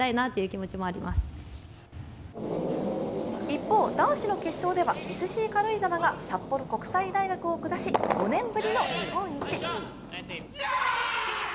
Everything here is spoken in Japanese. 一方、男子の決勝ではＳＣ軽井沢が札幌国際大学を下し５年ぶりの日本一。